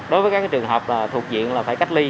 đối với các trường hợp thuộc diện phải cách ly